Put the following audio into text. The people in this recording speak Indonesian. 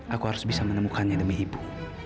aku harus bisa menemukannya demi ibu